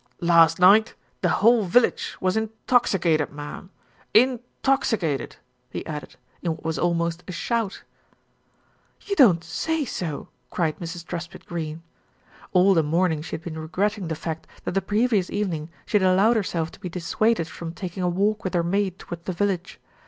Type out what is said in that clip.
"Last night the whole village was intoxicated, marm, intoxicated," he added, in what was almost a shout. "You don't say so !" cried Mrs. Truspitt Greene. All the morning she had been regretting the fact that the previous evening she had allowed herself to be dis suaded from taking a walk with her maid towards the village.